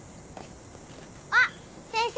あっ先生